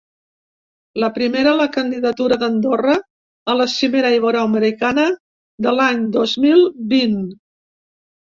La primera, la candidatura d’Andorra a la cimera iberoamericana de l’any dos mil vint.